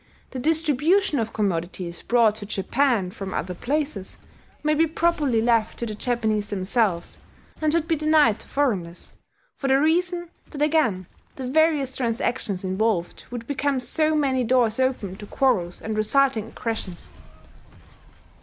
The distribution of commodities brought to Japan from other places may be properly left to the Japanese themselves, and should be denied to foreigners, for the reason that again the various transactions involved would become so many doors open to quarrels and resulting aggressions.